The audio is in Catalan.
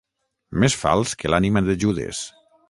Més fals que l'ànima de Judes.